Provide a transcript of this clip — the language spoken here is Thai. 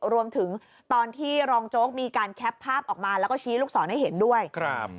รวมถึงตอนที่รองโจ๊กมีการแคปภาพออกมาแล้วก็ชี้ลูกศรให้เห็นด้วยครับ